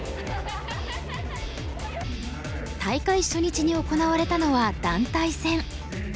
大会初日に行われたのは団体戦。